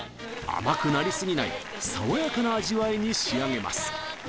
甘くなりすぎない爽やかな味わいに仕上げます